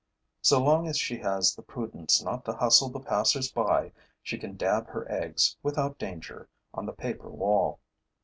So long as she has the prudence not to hustle the passers by, she can dab her eggs, without danger, on the paper wall.